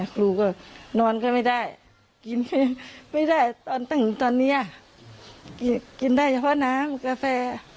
ครูก็นอนก็ไม่ได้กินไม่ได้ตอนตั้งตอนนี้กินได้เฉพาะน้ำกาแฟ